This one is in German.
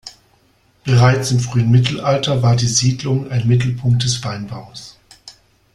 Bereits im frühen Mittelalter war die Siedlung ein Mittelpunkt des Weinbaus.